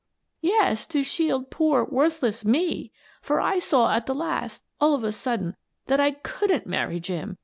" Yes, to shield poor, worthless me! For I saw at the last — all of a sudden, that I couldn't marry Jim.